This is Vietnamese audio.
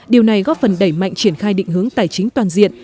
điều này góp phần đẩy mạnh triển khai định hướng tài chính toàn diện